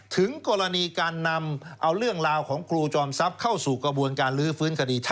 ถึงกรณีการนำเอาเรื่องราวของครูจอมทรัพย์เข้าสู่กระบวนการลื้อฟื้นคดี